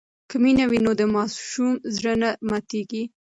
که مینه وي نو د ماسوم زړه نه ماتېږي.